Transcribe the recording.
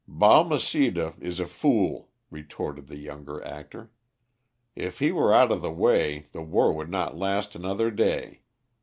"Balmeceda is a fool," retorted the younger actor. "If he were out of the way, the war would not last another day.